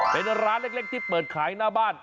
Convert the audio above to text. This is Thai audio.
เป็นร้านเล็กที่เปิดขายหน้าบ้าน